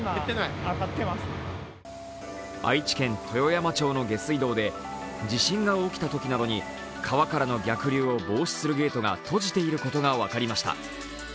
愛知県豊山町の下水道で地震が起きたときなどに川からの逆流を防止するゲートが閉じていることが分かりました。